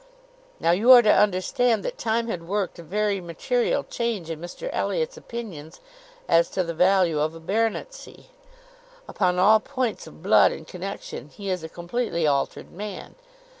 Now you are to understand, that time had worked a very material change in Mr Elliot's opinions as to the value of a baronetcy. Upon all points of blood and connexion he is a completely altered man.